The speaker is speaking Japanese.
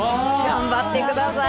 頑張ってください。